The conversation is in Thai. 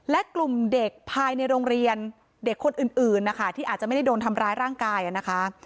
และกลุ่มเด็กภายในโรงเรียนเด็กคนอื่นนะคะที่อาจจะไม่ได้โดนทำร้ายร่างกายนะคะ